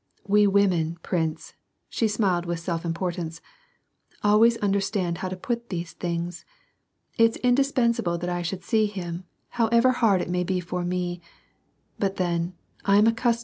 We women, prince," she smiled with self importance, "always understand how to put these things. It's indispensable that I should see him, however hard it may be for me ; but then, I am accustomed to sorrow."